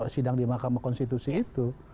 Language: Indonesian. sidang di mahkamah konstitusi itu